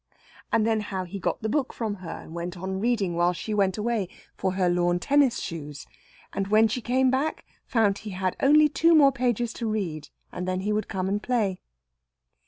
And then how he got the book from her and went on reading while she went away for her lawn tennis shoes, and when she came back found he had only two more pages to read, and then he would come and play.